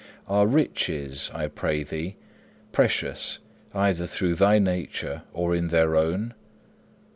Are riches, I pray thee, precious either through thy nature or in their own?